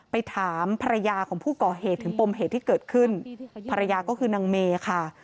ไปถามภรรยาของผู้ก่อเหตุถึงปมเหตุที่เกิดขึ้นภรรยาก็คือนางเมค่ะ